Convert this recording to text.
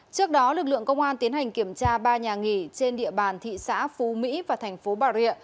trước đó lực lượng công an tiến hành kiểm tra ba nhà nghỉ trên địa bàn thị xã phú mỹ và thành phố bà rịa